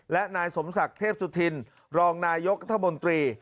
และนายสมศักดิ์เทพสุธินรองนายกัธมนตรี